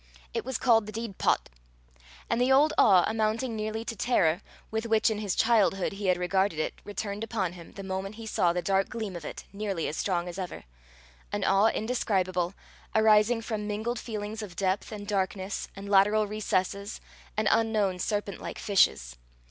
It was called the Deid Pot; and the old awe, amounting nearly to terror, with which in his childhood he had regarded it, returned upon him, the moment he saw the dark gleam of it, nearly as strong as ever an awe indescribable, arising from mingled feelings of depth, and darkness, and lateral recesses, and unknown serpent like fishes.